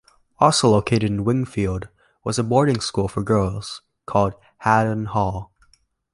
Also located in Wingfield was a boarding school for girls called Haddon Hall.